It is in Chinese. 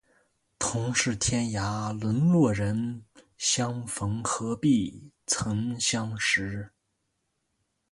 同是天涯沦落人，相逢何必曾相识